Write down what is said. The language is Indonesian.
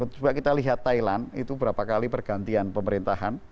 coba kita lihat thailand itu berapa kali pergantian pemerintahan